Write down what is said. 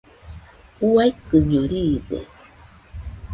Uaikɨño riide.